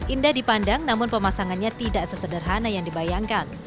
indah dipandang namun pemasangannya tidak sesederhana yang dibayangkan